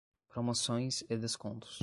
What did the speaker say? Promoções e descontos